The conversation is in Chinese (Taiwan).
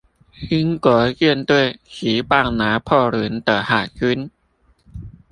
英國艦隊擊敗拿破崙的海軍